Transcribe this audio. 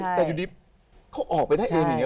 แต่อยู่ดีเขาออกไปได้เองอย่างนี้